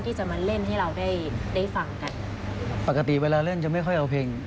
ที่จะมาเล่นให้เราได้ได้ฟังกันปกติเวลาเล่นจะไม่ค่อยเอาเพลง